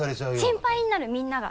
心配になるみんなが。